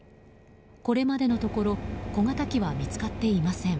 これまでのところ小型機は見つかっていません。